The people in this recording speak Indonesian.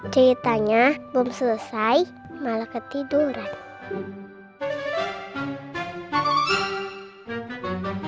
ceritanya belum selesai malah ketiduran